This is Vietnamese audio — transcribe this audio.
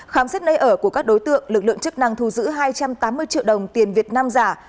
khám xét nơi ở của các đối tượng lực lượng chức năng thu giữ hai trăm tám mươi triệu đồng tiền việt nam giả